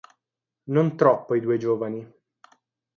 Non troppo i due giovani.